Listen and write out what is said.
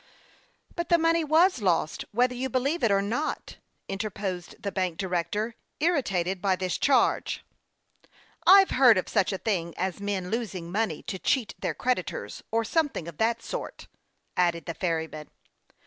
" But the money was lost, whether you believe it or not," interposed the bank director, irritated by this charge. 92 HASTE AND WASTE, OR " I've heard of such a thing as men losing money to cheat their creditors, or something of that sort," 1 added the ferryman.